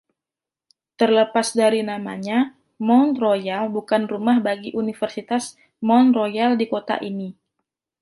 Terlepas dari namanya, Mount Royal bukan rumah bagi Universitas Mount Royal di kota ini.